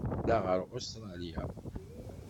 Ssakleɣ ɣer Ustṛalya.